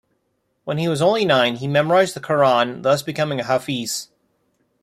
When he was only nine, he memorized the Qur'an, thus becoming a hafiz.